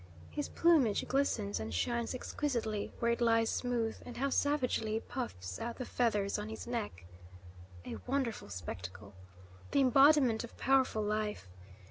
His plumage glistens and shines exquisitely where it lies smooth, and how savagely he puffs out the feathers on his neck! A wonderful spectacle! The embodiment of powerful life!